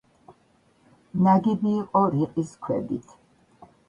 ნაგები იყო რიყის ქვებით.